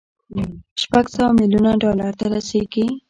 شپږ سوه ميليونه ډالر ته رسېږي.